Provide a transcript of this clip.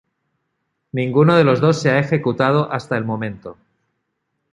Ninguno de los dos se ha ejecutado hasta el momento.